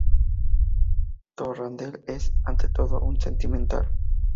Torrandell es, ante todo, un sentimental".